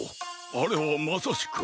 あれはまさしく。